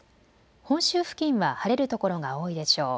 本州付近は晴れるところが多いでしょう。